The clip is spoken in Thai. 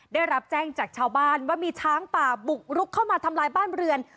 ได้รับแจ้งจากชาวบ้านว่ามีช้างป่าบุกรุกเข้ามาทำลายบ้านเรือน